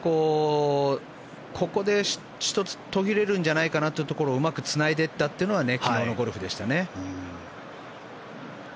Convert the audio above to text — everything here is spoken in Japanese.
ここで１つ途切れるんじゃないかなというところをつないでいったのは昨日のゴルフでしたね。